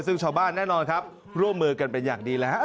ซึ่งชาวบ้านแน่นอนครับร่วมมือกันเป็นอย่างดีแล้วฮะ